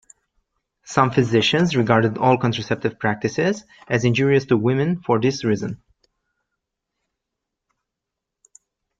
Some physicians regarded all contraceptive practices as injurious to women for this reason'.